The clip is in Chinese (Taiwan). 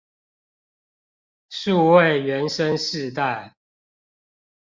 數位原生世代